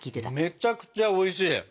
めっちゃくちゃおいしい。